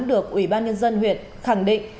được ủy ban nhân dân huyện khẳng định